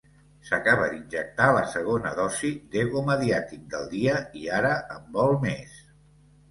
S'acaba d'injectar la segona dosi d'ego mediàtic del dia i ara en vol més.